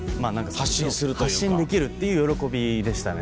発信できるっていう喜びでしたね